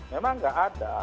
memang tidak ada